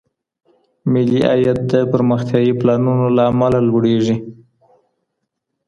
ملي عايد د پرمختيايي پلانونو له امله لوړېږي.